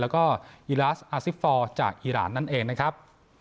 แล้วก็อีลาสอาซิฟฟอร์จากอีรานนั่นเองนะครับ